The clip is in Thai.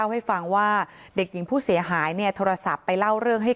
ให้ฟังว่าเด็กหญิงผู้เสียหายเนี่ยโทรศัพท์ไปเล่าเรื่องให้